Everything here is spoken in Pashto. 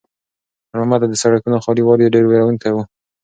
خیر محمد ته د سړکونو خالي والی ډېر وېروونکی و.